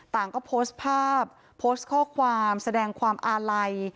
ต่างก็โพสต์ภาพโพสต์ข้อความแสดงความอาลัย